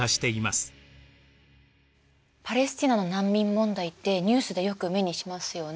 パレスティナの難民問題ってニュースでよく目にしますよね。